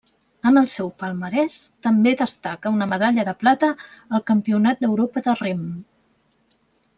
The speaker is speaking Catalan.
En el seu palmarès també destaca una medalla de plata al Campionat d'Europa de rem.